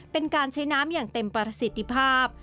เป็นการใช้น้ำอย่างเต็มประสิทธิภาพ